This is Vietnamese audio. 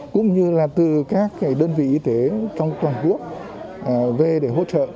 cũng như là từ các đơn vị y tế trong toàn quốc về để hỗ trợ